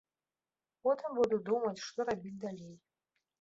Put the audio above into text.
Потым буду думаць, што рабіць далей.